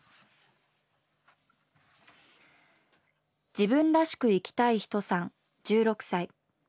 自分らしく生きたい人さん１６歳。